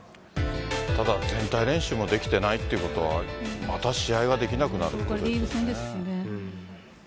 ただ、全体練習もできてないっていうことは、また試合ができなくなるということですよね。